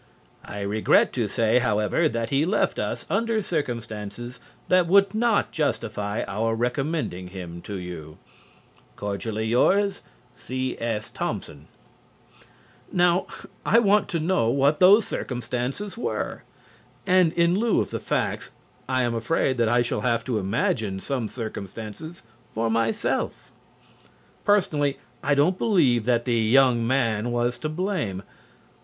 I regret to say, however, that he left us under circumstances that would not justify our recommending him to you. Cordially yours, C.S. THOMPSON Now I want to know what those "circumstances" were. And in lieu of the facts, I am afraid that I shall have to imagine some circumstances for myself. Personally, I don't believe that the "young man" was to blame.